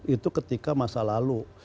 itu ketika masa lalu